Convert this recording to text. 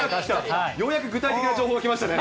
ようやく具体的な情報きましたね。